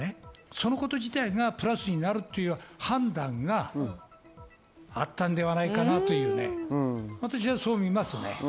そのこと自体がプラスになるっていう判断があったんではないかなっていう、私はそう見ます。